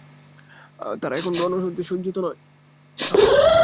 তারা এখন রণসাজে সজ্জিত নয়।